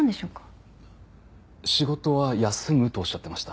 仕事は休むとおっしゃってました。